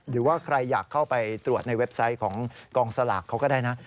หรือว่าใครอยากเข้าไปตรวจในเว็บไซต์ของกองสลากเขาก็ได้นะ